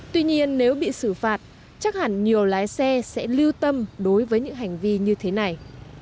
tuy nhiên nếu bị xử phạt chắc hẳn nhiều lái xe sẽ lưu tâm đối với những hành vi như thế này